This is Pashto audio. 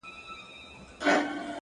هره هڅه د راتلونکي لپاره پانګونه ده؛